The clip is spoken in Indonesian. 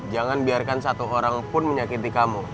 jangan biarkan satu orang pun menyakiti kamu